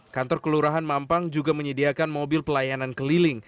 kantor kelurahan mampang juga menyediakan mobil pelayanan keliling